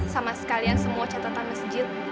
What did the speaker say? sama sekalian semua catatan masjid